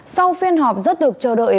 sau phiên họp rất được chờ đợi